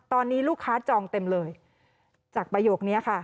ตอนนี้ลูกค้าจองเต็มเลยจากประโยคนี้ค่ะ